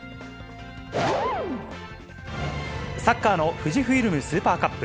サッカーの富士フイルムスーパーカップ。